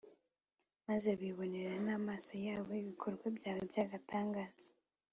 maze bibonera n'amaso yabo ibikorwa byawe by'agatangaza